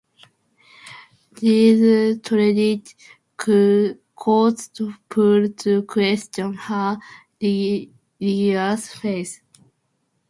These tragedies caused Paul to question her religious faith.